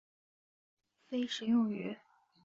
非食用鱼。